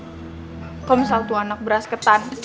kalau misal tuan nak beras ketan